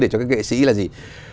để cho cái nghệ sĩ là gì